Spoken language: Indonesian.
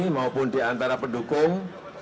maupun diantara pendukung